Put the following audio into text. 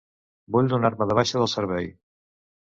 Vull donar-me de baixa del servei.